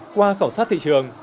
qua khảo sát thị trường